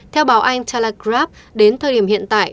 theo báo anh telegraph đến thời điểm hiện tại